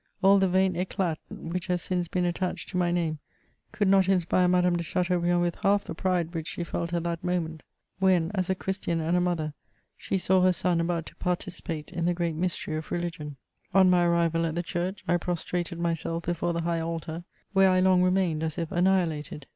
All the vain iciat which has since been attached to mj name, could not inspire Madame de Chateaubriand with half the pride which she felt at that moment, when, as a Christian and a mother, she saw her son about to participate in the great mystery of religion. On my arrival at the church, I prostrated myself before the high altar, where I long remained as if annihilated.